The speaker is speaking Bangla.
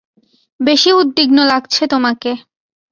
বেশি উদ্বিগ্ন লাগছে তোমাকে।